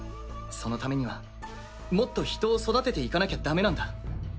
そのためにはもっと人を育てていかなきゃダメなんだ。